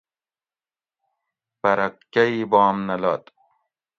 پرہ کئ بام نہ لود